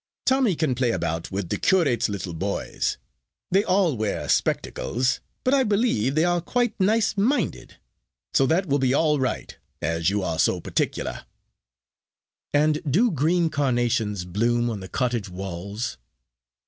Tommy can play about with the curate's little boys. They all wear spectacles; but I believe they are quite nice minded, so that will be all right, as you are so particular." "And do green carnations bloom on the cottage walls?"